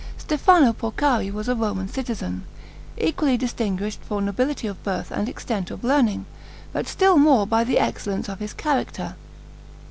Stefano Porcari was a Roman citizen, equally distinguished for nobility of birth and extent of learning, but still more by the excellence of his character.